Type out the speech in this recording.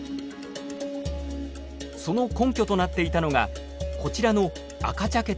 その根拠となっていたのがこちらの赤茶けた地層。